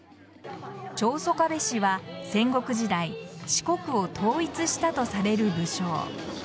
長宗我部氏は戦国時代四国を統一したとされる武将。